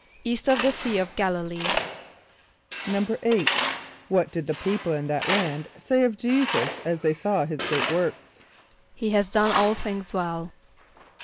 =East of the Sea of G[)a]l´[)i] lee.= =8.= What did the people in that land say of J[=e]´[s+]us as they saw his great works? ="He has done all things well."